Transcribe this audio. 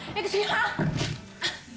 あっ。